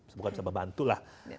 semoga bisa membantu lah